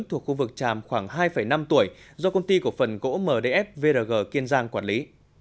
thuộc khu vực tràm khoảng hai năm tuổi do công ty cổ phần gỗ mdf vrg kiên giang quản lý